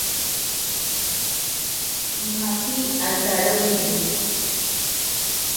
Mapi antaroite.